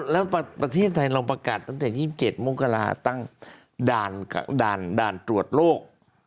แล้วประเทศไทยเราประกาศตั้งแต่๒๗มกราตั้งด่านตรวจโรค